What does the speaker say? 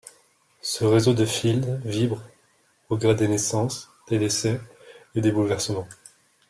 Ce réseau de fils vibre, au gré des naissances, des décès et des bouleversements.